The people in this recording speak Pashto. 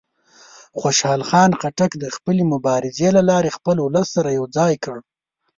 خوشحال خان خټک د خپلې مبارزې له لارې خپل ولس سره یو ځای کړ.